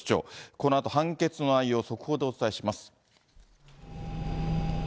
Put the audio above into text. このあと、判決の内容を速報でお伝えします。